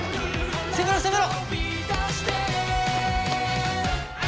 攻めろ攻めろ！